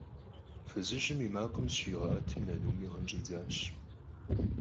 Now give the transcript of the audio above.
Фызыжьым и макъым зыщригъэӀэтым, нынуми гъын щӀидзащ.